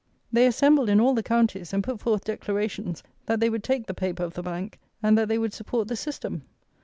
They assembled in all the counties, and put forth declarations that they would take the paper of the Bank, and that they would support the system.